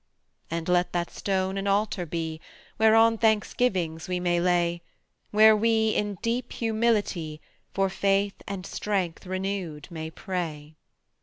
And let that stone an altar be, Whereon thanksgivings we may lay, Where we, in deep humility, For faith and strength renewed may pray.